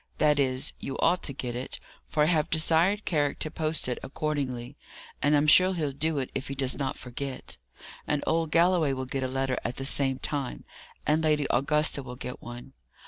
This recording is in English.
That is, you ought to get it; for I have desired Carrick to post it accordingly, and I'm sure he'll do it if he does not forget. And old Galloway will get a letter at the same time, and Lady Augusta will get one.